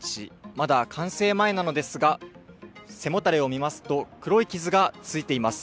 まだ完成前なのですが、背もたれを見ますと、黒い傷がついています。